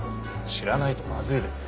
知らないとまずいですよ。